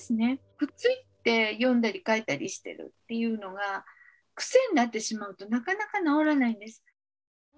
くっついて読んだり書いたりしてるっていうのが癖になってしまうとなかなか治らないんです。